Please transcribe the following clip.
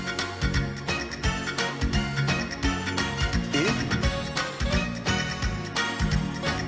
えっ？